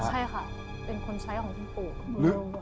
ใช่ค่ะเป็นคนใช้ของคุณปู่